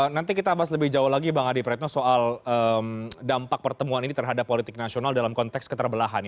nanti kita bahas lebih jauh lagi bang adi praetno soal dampak pertemuan ini terhadap politik nasional dalam konteks keterbelahan